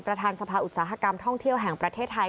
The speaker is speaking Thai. ประธานสภาอุตสาหกรรมท่องเที่ยวแห่งประเทศไทย